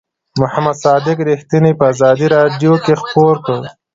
محمد صادق رښتیني په آزادۍ رادیو کې خپور کړ.